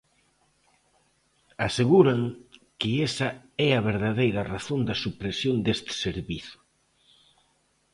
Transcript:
Aseguran que esa é a verdadeira razón da supresión deste servizo.